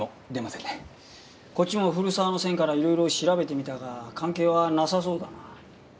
こっちも古沢の線からいろいろ調べてみたが関係はなさそうだな。